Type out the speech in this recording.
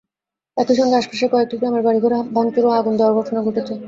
একই সঙ্গে আশপাশের কয়েকটি গ্রামের বাড়িঘরে ভাঙচুর ও আগুন দেওয়ার ঘটনা ঘটেছে।